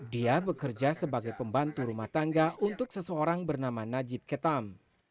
dia bekerja sebagai pembantu rumah tangga untuk seseorang bernama najib ketam